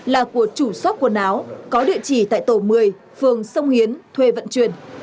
là của chủ shop quần áo có địa chỉ tại tổ một mươi phường sông hiến thuê vận chuyển